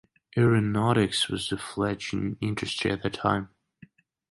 Aeronautics was a fledgling industry at that time.